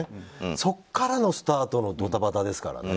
そこからのスタートのドタバタですからね。